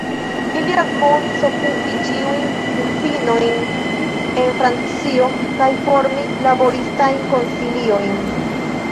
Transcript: Ili admonis okupi ĉiujn uzinojn en Francio kaj formi laboristajn konsiliojn.